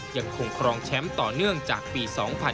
ยังคงครองแชมป์ต่อเนื่องจากปี๒๕๖๒